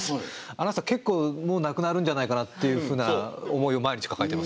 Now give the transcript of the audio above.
アナウンサー結構もうなくなるんじゃないかなっていうふうな思いを毎日抱えてます。